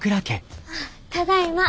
ただいま。